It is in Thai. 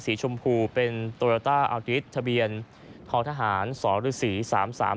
ชมพูเป็นโตโยต้าอาวติสทะเบียนท้อทหารสฤษีสามสาม